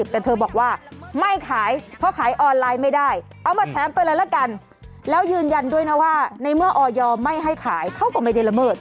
แต่เธอบอกว่าไม่ขายเพราะขายออนไลน์ไม่ได้เอามาแถมไปเลยละกันแล้วยืนยันด้วยนะว่าในเมื่อออยไม่ให้ขายเขาก็ไม่ได้ละเมิด